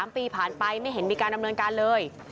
๓ปีผ่านไปไม่เห็นมีการดำเนินการเลย